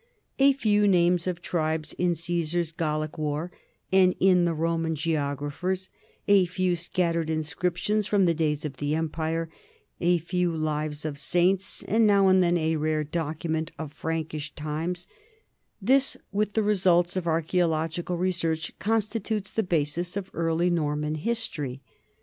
A few names of tribes in Caesar's Gallic War and in the Roman geographers, a few scattered inscriptions from the days of the empire, a few lives of saints and now and then a rare document of Prankish times, this with the results of archaeological research constitutes the basis of early Norman history.